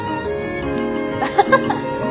アハハハッ。